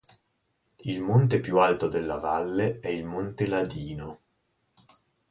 Il monte più alto della valle è il monte Ladino.